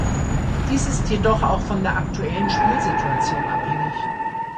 Dies ist jedoch auch von der aktuellen Spielsituation abhängig.